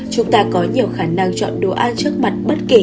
chúng ta có nhiều khả năng chọn đồ ăn trước mặt bất kỳ